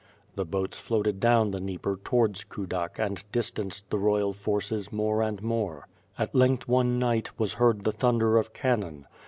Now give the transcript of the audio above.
The boats floated down the Dnieper towards Kudak and distanced the royal forces more and more. t6o ^^^^^^^^^^^^ SWORD. At length, one night, was heard the thunder of cannon.